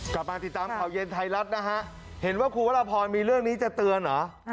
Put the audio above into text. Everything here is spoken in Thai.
กลับมาติดตามข่าวเย็นไทยรัฐนะฮะเห็นว่าครูวรพรมีเรื่องนี้จะเตือนเหรอ